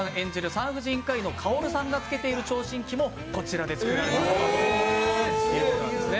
産婦人科医の馨さんがつけている聴診器も、こちらで作られたものということなんですね。